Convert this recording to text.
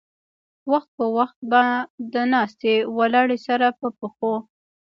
وخت پۀ وخت به د ناستې ولاړې سره پۀ پښو